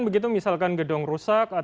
begitu misalkan gedung rusak